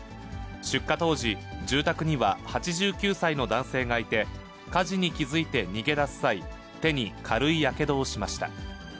出火当時、住宅には８９歳の男性がいて、火事に気付いて逃げ出す際、手に軽いやけどをしました。